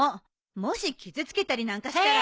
もし傷つけたりなんかしたら。